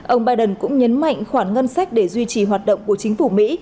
ông biden cũng nhấn mạnh khoản ngân sách để duy trì hoạt động của chính phủ mỹ